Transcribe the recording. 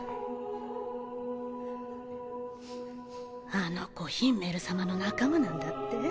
あの子ヒンメル様の仲間なんだって？